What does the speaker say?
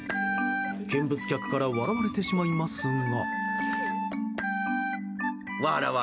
見物客から笑われてしまいますが。